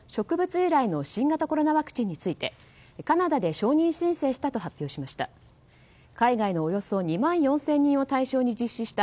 由来の新型コロナワクチンについてカナダで承認申請したと発表しました。